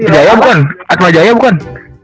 jaya bukan atma jaya bukan